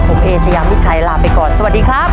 ผมเอเชยามิชัยลาไปก่อนสวัสดีครับ